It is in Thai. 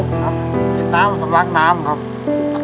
ครับจิบน้ำสวัสดิ์น้ำครับ